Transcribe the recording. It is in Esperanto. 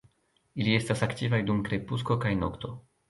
Ili estas aktivaj dum krepusko kaj nokto.